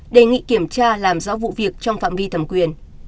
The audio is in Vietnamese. đề nghị kiểm tra làm rõ vụ việc trong phạm vi thẩm quyền